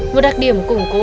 một đặc điểm củng cố